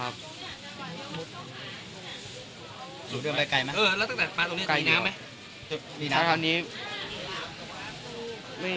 อายุครับทีกลางเนี่ย